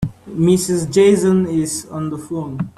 Mrs. Jason is on the phone.